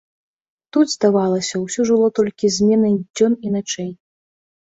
Тут, здавалася, усё жыло толькі зменай дзён і начэй.